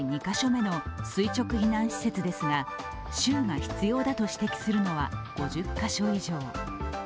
２カ所目の垂直避難施設ですが州が必要だと指摘するのは５０カ所以上。